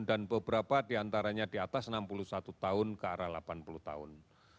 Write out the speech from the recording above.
dan beberapa diantaranya di atas enam puluh satu tahun ke arah delapan puluh tahun